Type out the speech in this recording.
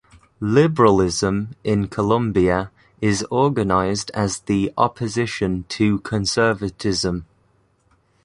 Liberalism in Colombia is organized as the opposition to conservatism.